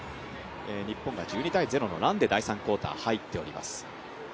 日本が１２−０のランで第３クオーター、入っております。